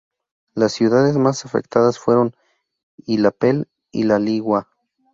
Las ciudades más afectadas fueron Illapel y La Ligua.